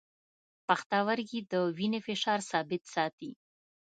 پښتورګي د وینې فشار ثابت ساتي.